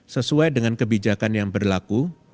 sesuai dengan kebijakan yang berlaku